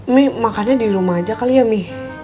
mie makannya di rumah aja kali ya mi